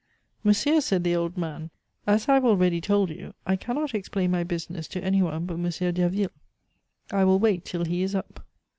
"Monsieur," said the old man, "as I have already told you, I cannot explain my business to any one but M. Derville. I will wait till he is up."